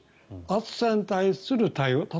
暑さに対する対応。